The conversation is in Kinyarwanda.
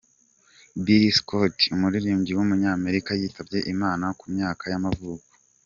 Billy Scott, umuririmbyi w’umunyamerika yitabye Imana ku myaka y’amavuko.